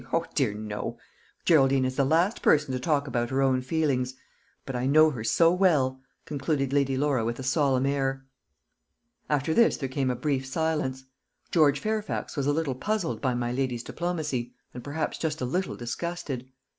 O dear, no. Geraldine is the last person to talk about her own feelings. But I know her so well," concluded Lady Laura with a solemn air. After this there came a brief silence. George Fairfax was a little puzzled by my lady's diplomacy, and perhaps just a little disgusted.